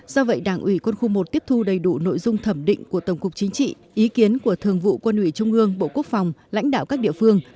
do vậy đảng ủy quân khu một tiếp thu đầy đủ nội dung thẩm định của tổng cục chính trị ý kiến của thường vụ quân ủy trung ương bộ quốc phòng lãnh đạo các địa phương